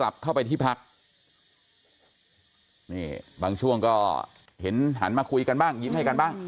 บางช่วงก็เห็นหันมาคุยกันบ้างยิ้มให้กันบ้าง